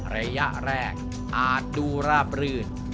ระยะแรกอาจดูราบรื่น